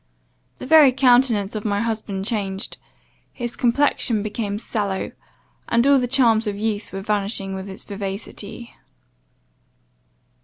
The very countenance of my husband changed; his complexion became sallow, and all the charms of youth were vanishing with its vivacity.